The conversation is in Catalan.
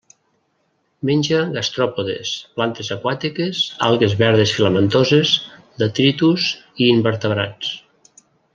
Menja gastròpodes, plantes aquàtiques, algues verdes filamentoses, detritus i invertebrats.